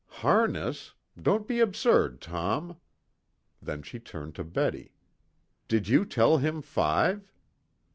"Harness? Don't be absurd, Tom." Then she turned to Betty. "Did you tell him five?"